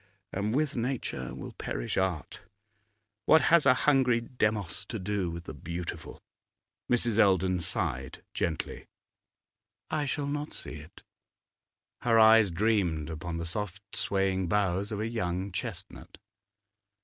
And with nature will perish art. What has a hungry Demos to do with the beautiful?' Mrs. Eldon sighed gently. 'I shall not see it.' Her eyes dreamed upon the soft swaying boughs of a young chestnut.